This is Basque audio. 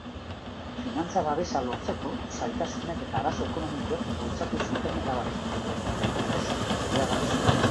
Finantza-babesa lortzeko zailtasunek eta arazo ekonomikoek bultzatu zuten erabakia, enpresak iragarri zuenez.